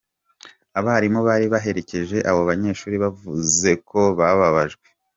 Abarimu bari baherekeje abo banyeshuri bavuze ko bababajwe.